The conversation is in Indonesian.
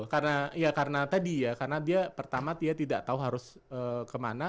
karena ya karena tadi ya karena dia pertama dia tidak tahu harus kemana